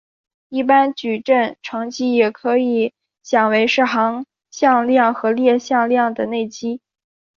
一般矩阵乘积也可以想为是行向量和列向量的内积。